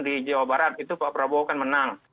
itu pak prabowo kan menang